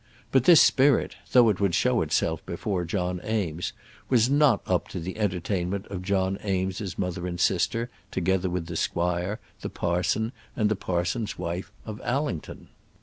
But this spirit, though it would show itself before John Eames, was not up to the entertainment of John Eames's mother and sister, together with the squire, the parson, and the parson's wife of Allington.